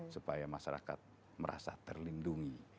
supaya masyarakat merasa terlindungi